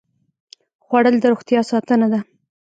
خوړل د روغتیا ساتنه ده